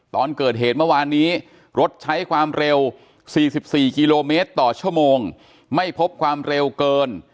ตอนเกิดเหตุเมื่อวานนี้รถใช้ความเร็ว๔๔กิโลเมตรต่อชั่วโมงไม่พบความเร็วเกิน